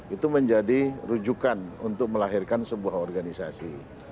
itu menjadi rujukan untuk melahirkan sebuah organisasi